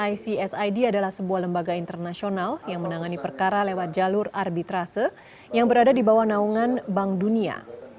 icsid adalah sebuah lembaga internasional yang menangani perkara lewat jalur arbitrase yang berada di bawah naungan bank dunia